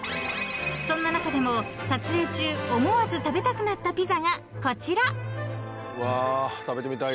［そんな中でも撮影中思わず食べたくなったピザがこちら］